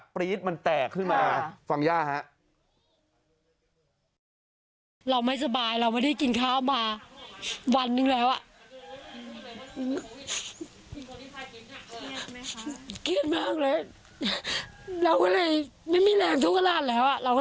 ปรี๊ดมันแตกขึ้นมา